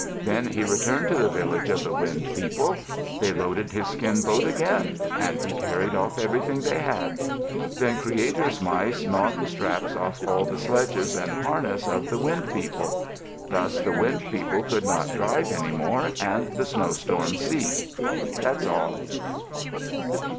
Then he returned to the village of the Wind People. They loaded his skin boat again and he carried off everything they had. Then Creator's mice gnawed the straps off all the sledges and harness of the Wind People. Thus the Wind People could not drive any more and the snowstorm ceased. That's all.